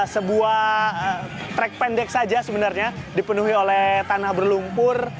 sebuah track pendek saja sebenarnya dipenuhi oleh tanah berlumpur